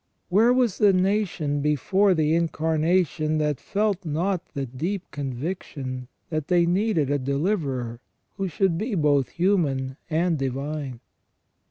Where was the nation before the Incarnation that felt not the deep conviction that they needed a deliverer who should be both human and divine